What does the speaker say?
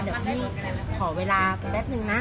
เดี๋ยวพี่ขอเวลาเป็นนิดนึงนะ